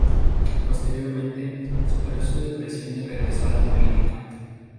Posteriormente, superó su depresión y regresó a la política.